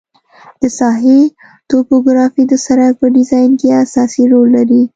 د ساحې توپوګرافي د سرک په ډیزاین کې اساسي رول لري